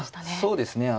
そうですね